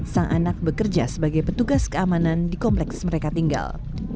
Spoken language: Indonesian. sang anak bekerja sebagai petugas keamanan di kompleks mereka tinggal